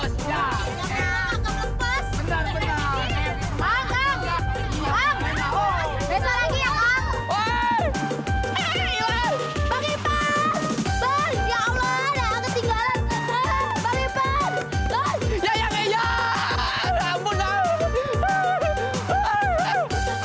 kenapa lagi sih pak supir